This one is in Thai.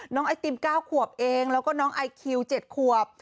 ไอติม๙ขวบเองแล้วก็น้องไอคิว๗ขวบ